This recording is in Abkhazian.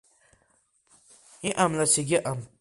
Иҟамлац егьыҟам…